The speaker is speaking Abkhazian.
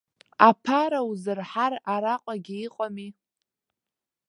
Аԥара узырҳар, араҟагьы иҟами.